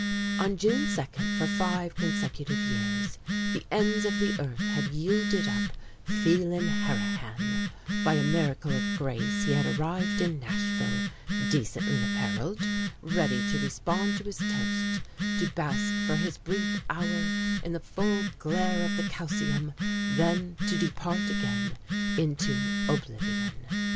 On June second, for five consecutive years, the ends of the earth had yielded up Phelan Harrihan; by a miracle of grace he had arrived in Nashville, decently appareled, ready to respond to his toast, to bask for his brief hour in the full glare of the calcium, then to depart again into oblivion.